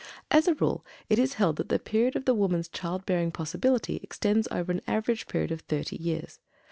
As a rule, it is held that the period of the woman's child bearing possibility extends over an average period of thirty years.